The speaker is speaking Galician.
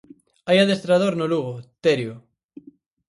Hai adestrador no Lugo, Terio.